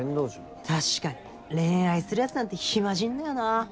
確かに恋愛するヤツなんて暇人だよなぁ。